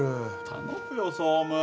頼むよ総務。